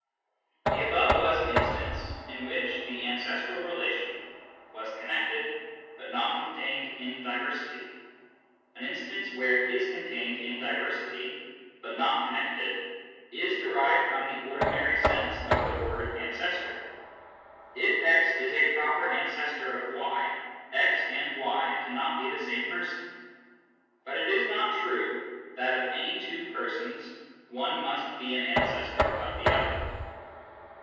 The above was an instance in which the ancestral relation was connected but not contained in diversity. An instance where it is contained in diversity but not connected is derived from the ordinary sense of the word " ancestor." If x is a proper ancestor of y, x and y cannot be the same person ; but it is not true that of any two persons one must be an ancestor of the other.